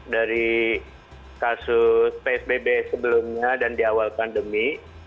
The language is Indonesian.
dari kasus psbb sebelumnya dan di awal pandemi